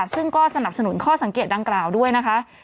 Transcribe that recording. ซึ่งก็สนับสนุนข้อสังเกตดังกล่าวด้วยนะคะ